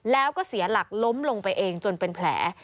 แล้วก็เสียหลักล้มลงไปเองจนเป็นแผล